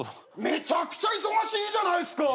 めちゃくちゃ忙しいじゃないっすか！